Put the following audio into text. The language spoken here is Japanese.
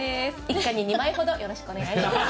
一家に２枚ほどよろしくお願いします。